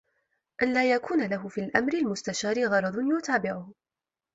أَنْ لَا يَكُونَ لَهُ فِي الْأَمْرِ الْمُسْتَشَارِ غَرَضٌ يُتَابِعُهُ